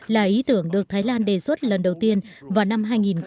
là ý tưởng được thái lan đề xuất lần đầu tiên vào năm hai nghìn một mươi